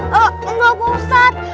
pak paus enggak pak ustadz